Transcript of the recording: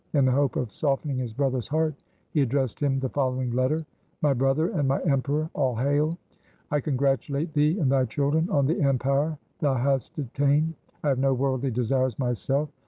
In the hope of softening his brother's heart he addressed him the following letter :—' My brother and my emperor, all hail ! I congratulate thee and thy children on the empire thou hast obtained. I have no worldly desires myself.